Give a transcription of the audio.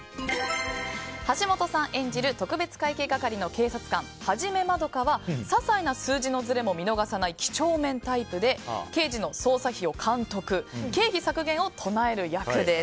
橋本さん演じる特別会計係の警察官一円は些細な数字のずれも見逃さない几帳面タイプで刑事の捜査費を監督経費削減を唱える役です。